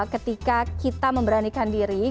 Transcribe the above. ketika kita memberanikan diri